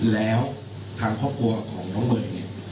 แล้วทางครอบครัวของน้องเมย์เนี่ย